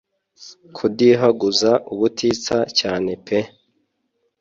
kudihaguza ubutitsa cyane pe